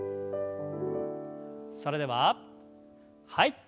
それでははい。